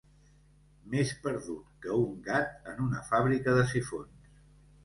Més perdut que un gat en una fàbrica de sifons.